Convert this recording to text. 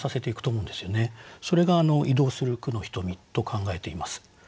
それが「移動する『句のひとみ』」と考えています。